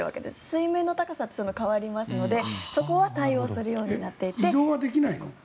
水面の高さというのは変わりますのでそこは対応するようになっていて。